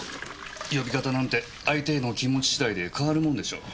呼び方なんて相手への気持ち次第で変わるもんでしょう。